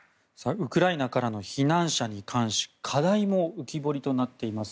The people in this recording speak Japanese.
ウクライナからの避難者に関し課題も浮き彫りとなっています。